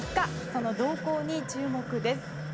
その動向に注目です。